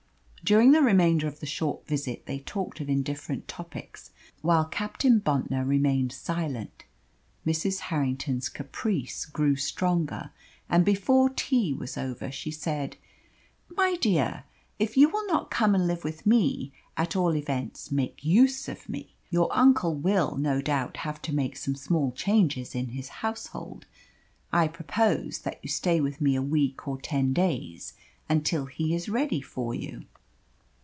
During the remainder of the short visit they talked of indifferent topics, while Captain Bontnor remained silent. Mrs. Harrington's caprice grew stronger, and before tea was over she said "My dear, if you will not come and live with me, at all events make use of me. Your uncle will, no doubt, have to make some small changes in his household. I propose that you stay with me a week or ten days, until he is ready for you."